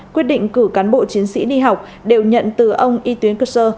quyết định cử cán bộ chiến sĩ đi học đều nhận từ ông y tuyến cơ sơ